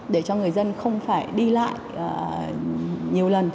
để cho người dân không phải đi lại nhiều lần